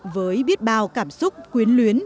với biết bao cảm xúc quyến luyến